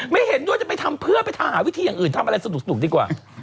เห็นด้วยจะไปทำเพื่อไปหาวิธีอย่างอื่นทำอะไรสนุกดีกว่า